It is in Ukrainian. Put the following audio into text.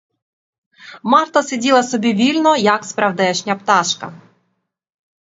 Марта сиділа собі вільно, як справдешня пташка.